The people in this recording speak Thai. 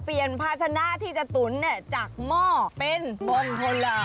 เปลี่ยนพัฒนาที่จะตุ๋นจากหม่อเป็นบองเทาหลาม